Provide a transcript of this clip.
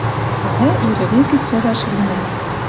А мӓ ирӹ векӹ со вӓшлинӓ